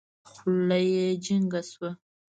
خوله يې جينګه سوه.